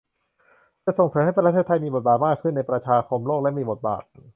จะส่งเสริมให้ประเทศไทยมีบทบาทมากขึ้นในประชาคมโลกและมีบทบาท